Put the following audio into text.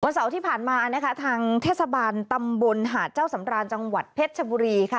เสาร์ที่ผ่านมานะคะทางเทศบาลตำบลหาดเจ้าสำราญจังหวัดเพชรชบุรีค่ะ